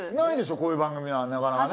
こういう番組はなかなかね。